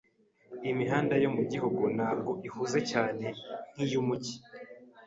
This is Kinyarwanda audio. Imihanda yo mugihugu ntabwo ihuze cyane nkiyumujyi.